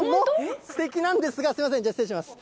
すてきなんですが、すみません、失礼します。